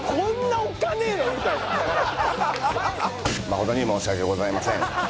誠に申し訳ございません。